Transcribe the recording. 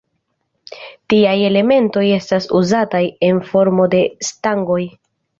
Tiaj elementoj estas uzataj en formo de stangoj.